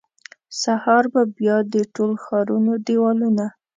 سهار به بیا د ټول ښارونو دیوالونه،